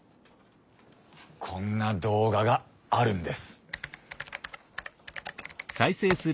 こんな動画があるんです。